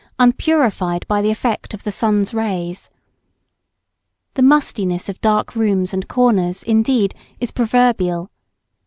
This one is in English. _ unpurified by the effect of the sun's rays. The mustiness of dark rooms and corners, indeed, is proverbial.